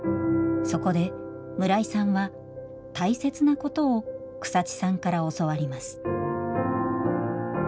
そこで村井さんは大切なことを草地さんから教わります。